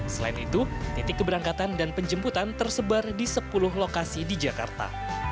selain itu titik keberangkatan dan penjemputan tersebar di sepuluh lokasi di jakarta